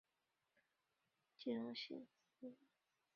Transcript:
壬酸铵是具有溶解性的。